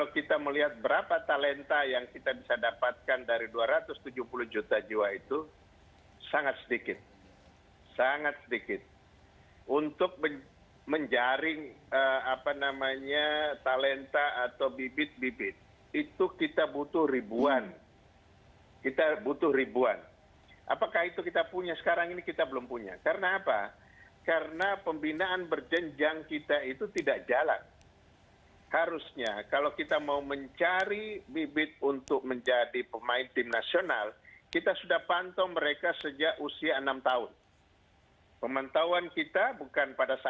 kita lakukan kalau terdesain